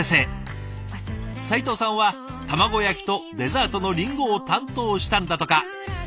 齊藤さんは卵焼きとデザートのりんごを担当したんだとか。